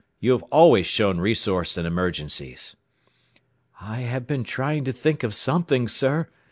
"You have always shown resource in emergencies." "I have been trying to think of something, sir.